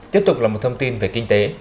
tiếp tục là một thông tin về kinh tế